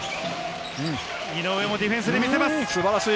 井上もディフェンスで見せます。